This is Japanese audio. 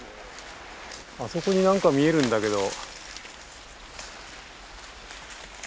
あそこに何か見えるんだけど。